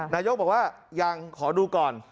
นายกบอกว่ายังขอดูก่อน